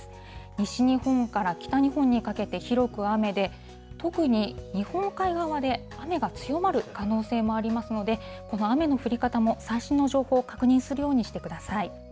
西日本から北日本にかけて広く雨で、特に日本海側で雨が強まる可能性もありますので、この雨の降り方も、最新の情報を確認するようにしてください。